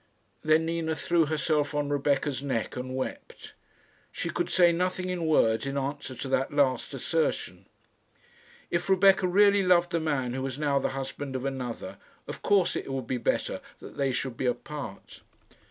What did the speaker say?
Then Nina threw herself on Rebecca's neck and wept. She could say nothing in words in answer to that last assertion. If Rebecca really loved the man who was now the husband of another, of course it would be better that they should be apart.